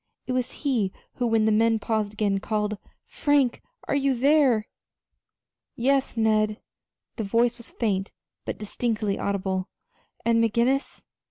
It was he who, when the men paused again, called: "Frank, are you there?" "Yes, Ned." The voice was faint, but distinctly audible. "And McGinnis?"